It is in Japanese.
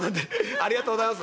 ありがとうございます」。